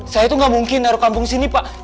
saya tuh nggak mungkin taruh kampung sini pak